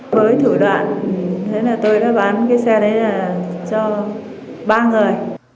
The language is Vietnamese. với thủ đoạn tôi đã bán cái xe đấy cho ba người